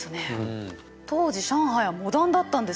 当時上海はモダンだったんですね。